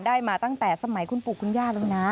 ได้มาตั้งแต่สมัยคุณปู่คุณย่าแล้วนะ